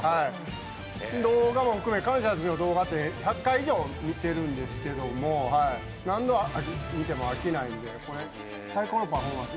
動画も含め、１００回以上見ているんですけど、何度見ても飽きないのでこれ、最高のパフォーマンス。